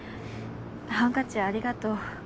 ハンカチありがとう。